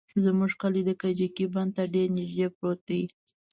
زموږ کلى د کجکي بند ته ډېر نژدې پروت دى.